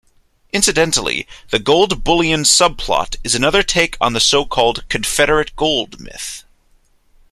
Incidentally, the gold bullion subplot is another take on the so-called "Confederate gold" myth.